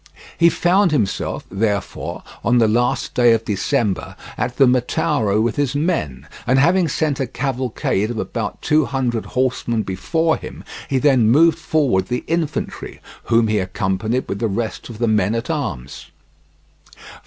He found himself, therefore, on the last day of December at the Metauro with his men, and having sent a cavalcade of about two hundred horsemen before him, he then moved forward the infantry, whom he accompanied with the rest of the men at arms.